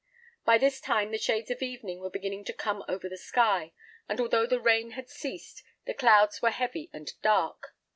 By this time the shades of evening were beginning to come over the sky, and although the rain had ceased, the clouds were heavy and dark.